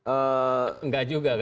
enggak juga kan